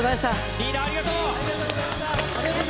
リーダーありがとう。